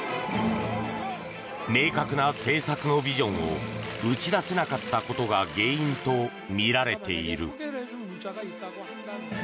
明確な政策のビジョンを打ち出せなかったことが原因とみられている。